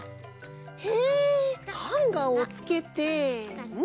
へえハンガーをつけて。